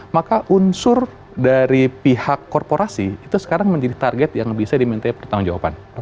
maka unsur dari pihak korporasi itu sekarang menjadi target yang bisa diminta pertanggung jawaban